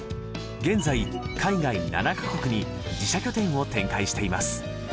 現在海外７か国に自社拠点を展開しています